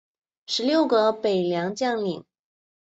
十六国北凉将领。